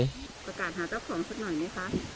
ก็การหาเจ้าของสุดหน่อยไหมคะ